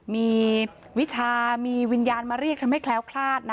มีวิชามีวิญญาณมาเรียกทำให้แคล้วคลาดนะ